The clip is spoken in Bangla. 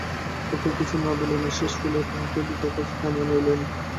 ফকির কিছু না বলিয়া নিশ্বাস ফেলিয়া তাহাকে বুকের কাছে টানিয়া লইলেন।